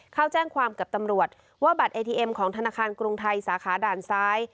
เขาแจ้งความกับตำรวจว่าบัตรเอทีเอ็มของธนาคารกรุงไทยสาขาด่านซ้าย